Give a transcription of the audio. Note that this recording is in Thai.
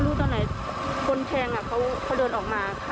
เขาก็ทำอะไรไม่รู้ร้องขึ้นแล้วหนูไม่ได้ยินหรอก